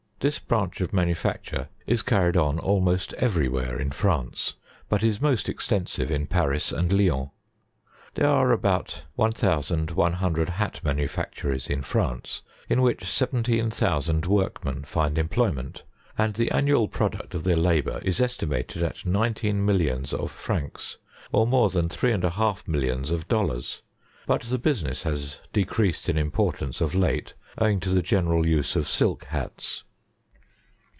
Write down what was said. This branch of manufacture is carried on almost every where in France ; but is most extensive in Paris and Lyons. There are about 1,100 hat manufactories in France, in which 17,000 workmen find employ . ment, and the annual product of their labor is estimated at nine teen millions of francs, (or more than three and a half millions of dollars;) but the business has decreased in importance of late, owing to the general use of silk hats.